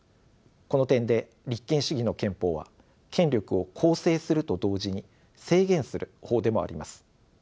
この点で立憲主義の憲法は権力を構成すると同時に制限する法でもあります。